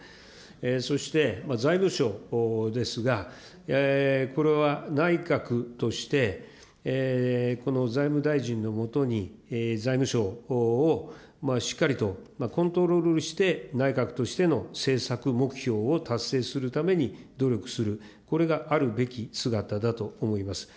そして、財務省ですが、これは内閣としてこの財務大臣の下に、財務省をしっかりとコントロールして内閣としての政策目標を達成するために努力する、これがあるべき姿だと思います。